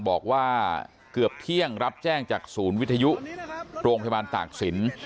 บอกว่าเกือบเที่ยงรับแจ้งจากศูนย์วิทยุโรงพยาบาลตากศิลป์